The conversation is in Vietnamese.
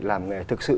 làm nghề thực sự